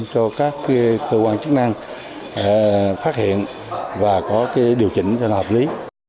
cho các cơ quan chức năng phát hiện và có cái điều chỉnh cho nó hợp lý